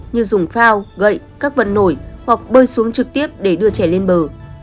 như dùng phao gậy các vật nổi hoặc bơi xuống trực tiếp để đưa trẻ lên bờ